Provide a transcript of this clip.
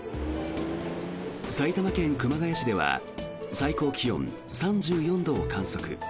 埼玉県熊谷市では最高気温３４度を観測。